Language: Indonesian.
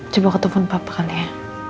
coba ketepen papa kali ya